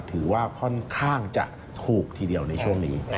ถือว่าค่อนข้างจะถูกทีเดียวในช่วงนี้